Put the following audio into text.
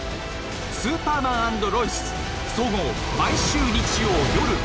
「スーパーマン＆ロイス」総合毎週日曜夜１１時。